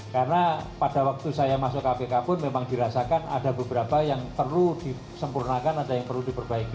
karena pada waktu saya masuk kpk pun memang dirasakan ada beberapa yang perlu disempurnakan atau yang perlu diperbaiki